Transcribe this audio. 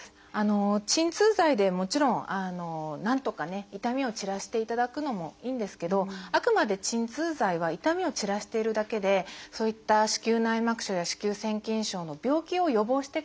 鎮痛剤でもちろんなんとかね痛みを散らしていただくのもいいんですけどあくまで鎮痛剤は痛みを散らしているだけでそういった子宮内膜症や子宮腺筋症の病気を予防してくれるわけではないので。